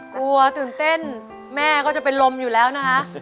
ตื่นเต้นแม่ก็จะเป็นลมอยู่แล้วนะคะ